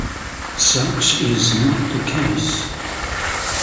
Such is not the case.